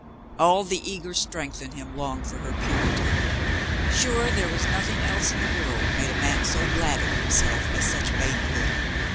All the eager strength in him longed for her purity. ... Sure, there was nothing j else in the world made a man so glad of himself as such maidenhood.